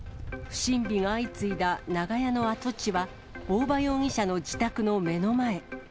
不審火が相次いだ長屋の跡地は、大場容疑者の自宅の目の前。